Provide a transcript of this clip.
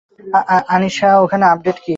আনিশা, ওখানে আপডেট কী?